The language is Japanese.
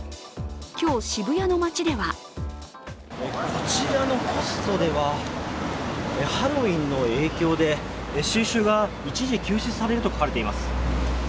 今日、渋谷の街ではこちらのポストではハロウィーンの影響で収集が一時、休止されると書いてあります。